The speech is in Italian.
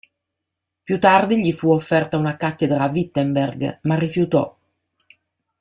Più tardi gli fu offerta una cattedra a Wittenberg, ma rifiutò.